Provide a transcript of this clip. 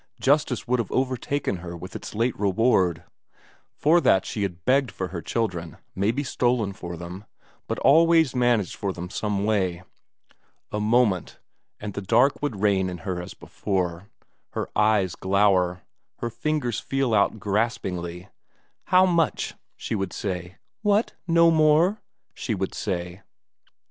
Justice would have overtaken her with its late reward; for that she had begged for her children, maybe stolen for them, but always managed for them some way. A moment and the darkness would reign in her as before; her eyes glower, her fingers feel out graspingly how much? she would say. What, no more? she would say.